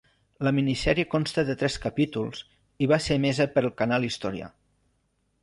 La minisèrie consta de tres capítols i va ser emesa pel canal Història.